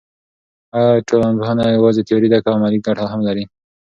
آیا ټولنپوهنه یوازې تیوري ده که عملي ګټه هم لري.